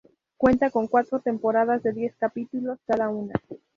Cuenta con cuatro temporadas de diez capítulos cada una.